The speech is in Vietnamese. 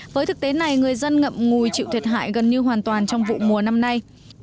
với thực tế này người dân ngậm ngùi chịu thiệt hại gần như hoàn toàn trong vụ mùa năm nay